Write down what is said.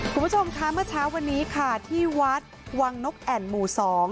คุณผู้ชมคะเมื่อเช้าวันนี้ค่ะที่วัดวังนกแอ่นหมู่สอง